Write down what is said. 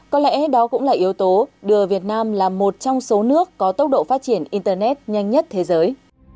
có lẽ đó cũng là yếu tố đưa việt nam là một trong số nước có tốc độ phát triển internet nhanh nhất thế giới